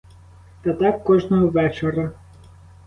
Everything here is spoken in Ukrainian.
Та так кожного вечора.